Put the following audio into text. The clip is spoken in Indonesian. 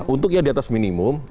untuk yang di atas minimum